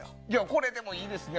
これいいですね。